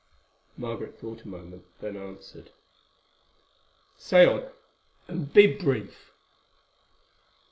Margaret thought a moment, then answered: "Say on, and be brief."